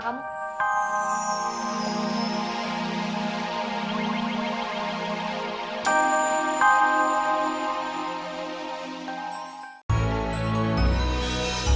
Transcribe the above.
kekuatanmu menjadi semangat setiap hari